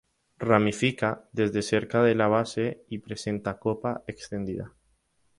Ramifica desde cerca de la base y presenta copa extendida.